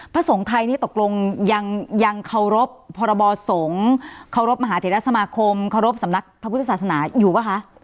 พระสงฆ์ไทยนี่ตกลงยังเคารพพรบสงฆ์เคารพมหาเทรสมาคมเคารพสำนักพระพุทธศาสนาอยู่ป่ะคะ